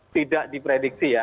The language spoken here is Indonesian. tidak diprediksi ya